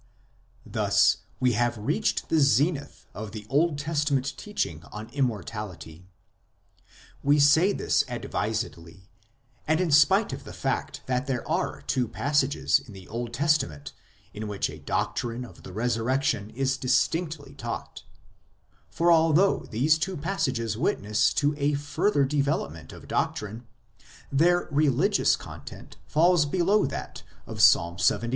Thus we have reached the zenith of the Old Testament teaching on Immortality. We say this advisedly, and in spite of the fact that there are two passages in the Old Testament in which a doctrine of the resurrection is dis tinctly taught ; for although these two passages witness to a further development of doctrine, their religious content falls below that of Ps. Ixxiii.